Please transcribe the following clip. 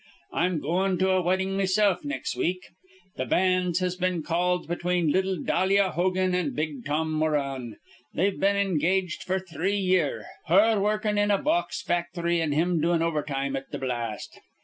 I'm goin' to a weddin' mesilf nex' week. Th' banns has been called between little Dalia Hogan an' big Tom Moran. They've been engaged f'r three year, her wurrkin' in a box facthry an' him doin' overtime at th' blast.